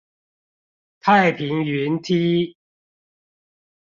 太平雲梯